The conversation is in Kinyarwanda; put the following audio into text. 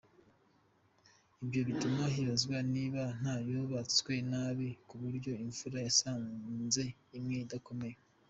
Ibyo bigatuma hibazwa niba nta yubatswe nabi ku buryo imvura yasanze imwe idakomeye.